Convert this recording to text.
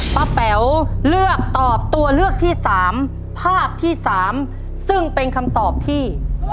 แป๋วเลือกตอบตัวเลือกที่สามภาพที่๓ซึ่งเป็นคำตอบที่